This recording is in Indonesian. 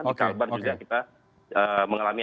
di kalbar juga kita mengalami